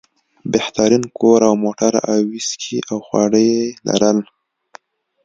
بهترین کور او موټر او ویسکي او خواړه یې لرل.